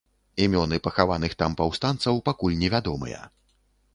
Імёны пахаваных там паўстанцаў пакуль невядомыя.